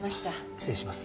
失礼します。